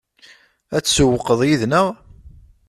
Ad tsewwqeḍ yid-neɣ?